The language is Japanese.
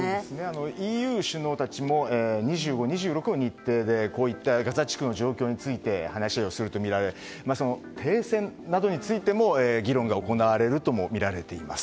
ＥＵ首脳たちも２５、２６の日程でガザ地区の状況について話をするとみられ停戦などについても議論が行われるともみられています。